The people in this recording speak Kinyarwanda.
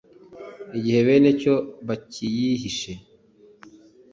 igihe benecyo bakiyihishe,